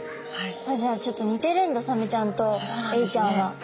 じゃあちょっと似てるんだサメちゃんとエイちゃんは。